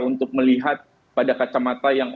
untuk melihat pada kacamata yang